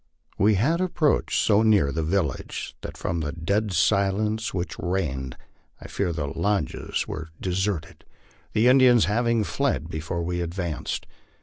We had approached so near the village that from the dead silence which reigned I feared the lodges were de serted, the Indians having fled before we advanced.